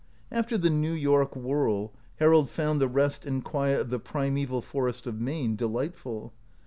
After the New York whirl, Harold found the rest and quiet of the primeval forest of Maine delightful.